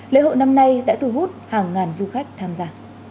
lễ hội năm nay đã thu hút hàng ngàn du khách tham gia